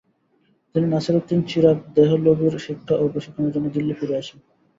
তিনি নাসিরউদ্দিন চিরাঘ দেহলভির শিক্ষা ও প্রশিক্ষণের জন্য দিল্লি ফিরে আসেন।